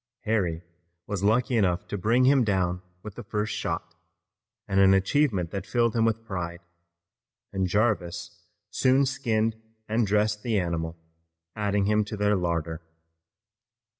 Harry was lucky enough to bring him down with the first shot, an achievement that filled him with pride, and Jarvis soon skinned and dressed the animal, adding him to their larder.